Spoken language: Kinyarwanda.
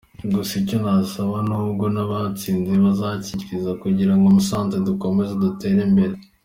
Gusa icyo nabasaba n'ubwo nabatsinze bazanshyigikire kugira ngo Musanze dukomeze dutere imbere”.